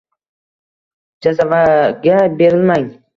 Jazavaga berilmang